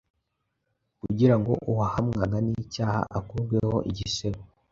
kugira ngo uwahamwaga n’icyaha akurweho igisebo